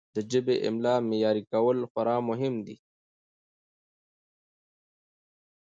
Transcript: د ژبې د املاء معیار کول خورا مهم دي.